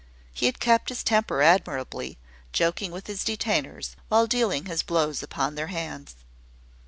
He had kept his temper admirably, joking with his detainers, while dealing his blows upon their hands.